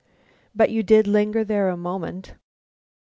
"But you did linger there a moment?"